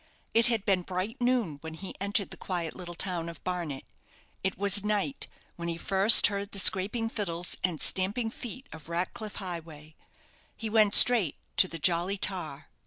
It had been bright noon when he entered the quiet little town of Barnet. It was night when he first heard the scraping fiddles and stamping feet of Ratcliff Highway. He went straight to the 'Jolly Tar'.